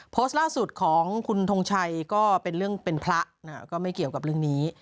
โพสต์ล่าสุดของคุณทงชัยก็เป็นเรื่องเป็นพระก็ไม่เกี่ยวกับเรื่องนี้